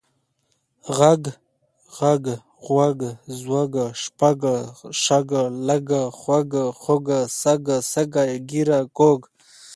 غږ، ږغ، غوَږ، ځوږ، شپږ، شږ، لږ، خوږ، خُوږ، سږ، سږی، ږېره، کوږ،